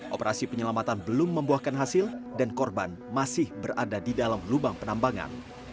operasi penyelamatan belum membuahkan hasil dan korban masih berada di dalam lubang penambangan